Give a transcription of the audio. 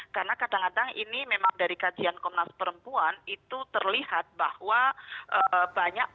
karena kadang kadang ini memang dari kajian komnas perempuan itu terlihat bahwa banyak korban